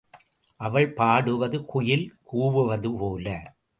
அவள் பாடுவது குயில் கூவுவது போல.